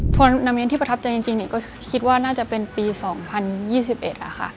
พอนาเมนต์ที่ประทับใจจริงก็คิดว่าน่าจะเป็นปี๒๐๒๑ค่ะ